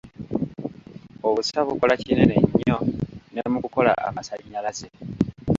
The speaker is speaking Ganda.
Obusa bukola kinene nnyo ne mu kukola amasannyalaze.